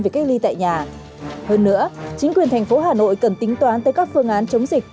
về cách ly tại nhà hơn nữa chính quyền thành phố hà nội cần tính toán tới các phương án chống dịch